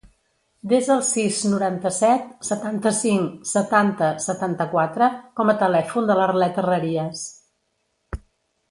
Desa el sis, noranta-set, setanta-cinc, setanta, setanta-quatre com a telèfon de l'Arlet Herrerias.